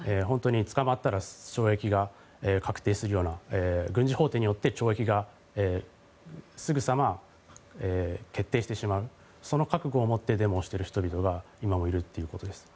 捕まったら懲役が確定するような軍事法廷によって懲役がすぐさま決定してしまうその覚悟を持ってデモをしている人々が今もいるということです。